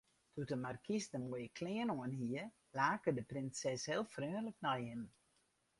Doe't de markys de moaie klean oanhie, lake de prinses heel freonlik nei him.